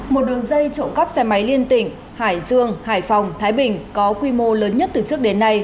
một đường dây trộm cắp xe máy liên tỉnh hải dương hải phòng thái bình có quy mô lớn nhất từ trước đến nay